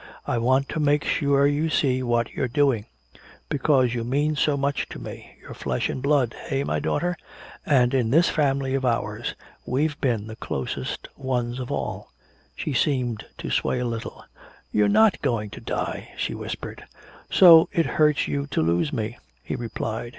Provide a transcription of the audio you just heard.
I want to make sure you see what you're doing. Because you mean so much to me. We're flesh and blood eh, my daughter? and in this family of ours we've been the closest ones of all!" She seemed to sway a little. "You're not going to die!" she whispered. "So it hurts you to lose me," he replied.